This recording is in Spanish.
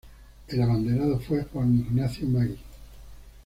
El abanderado fue Juan Ignacio Maggi.